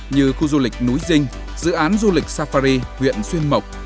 như khu du lịch núi dinh dự án du lịch safari huyện xuyên mộc